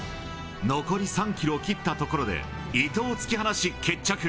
残り３キロを切った所で、伊藤を突き放し決着。